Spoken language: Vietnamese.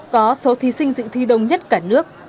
có số thí sinh dự thi đông nhất cả nước